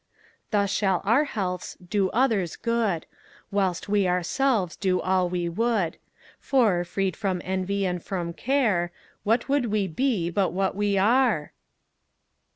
Thus shall our healths do others good, Whilst we ourselves do all we would; For, freed from envy and from care, What would we be but what we are?